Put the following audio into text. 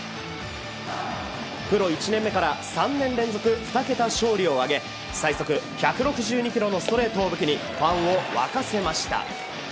プロ１年目から３年連続２桁勝利を挙げ最速１６２キロのストレートを武器にファンを沸かせました。